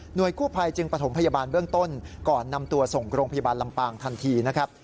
โดยกู้ภัยจึงประถมพยาบาลเบื้องต้นก่อนนำตัวส่งโรงพยาบาลลำปางทันทีนะครับ